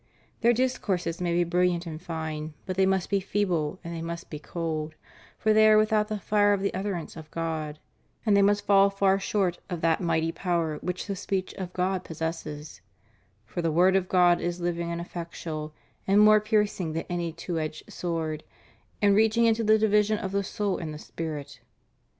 Their discourses may be brilliant and fine, but they must be feeble and they must be cold, for they are without the fire of the utterance of God ' and they must fall far short of that mighty power which the speech of God possesses: for the Word of God is living and effectual, and more piercing than any two edged sword; and reaching unto the division of the soul and the spirit.